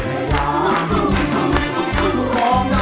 อิ๋ววิว